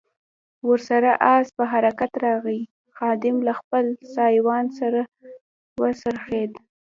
ور سره آس په حرکت راغی، خادم له خپل سایوان سره و څرخېد.